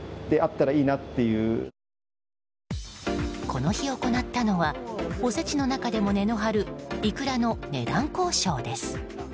この日行ったのはおせちの中でも値の張るイクラの値段交渉です。